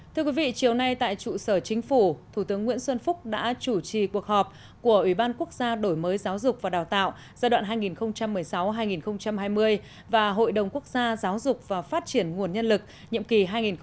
thưa quý vị chiều nay tại trụ sở chính phủ thủ tướng nguyễn xuân phúc đã chủ trì cuộc họp của ủy ban quốc gia đổi mới giáo dục và đào tạo giai đoạn hai nghìn một mươi sáu hai nghìn hai mươi và hội đồng quốc gia giáo dục và phát triển nguồn nhân lực nhiệm kỳ hai nghìn một mươi sáu hai nghìn hai mươi năm